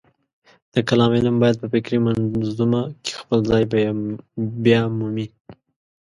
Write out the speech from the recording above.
د کلام علم باید په فکري منظومه کې خپل ځای بیامومي.